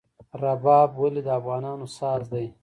رباب ولې د افغانانو ساز دی؟